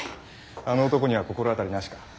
あの男には心当たりなしか。